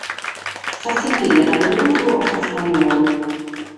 S’assimìgiat de prus a s’ispagnolu.